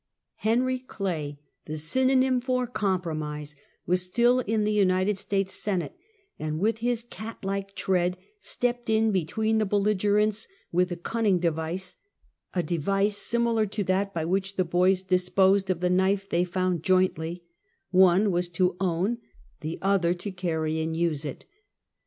Henry Clay, the synonym for compromise, was still in the United States Senate, and, with his cat like tread, stepped in between the belligerents with a cunning de vice — a device similar to that by which the boys dis posed of the knife they found jointly — one was to own, the other to carry and use it.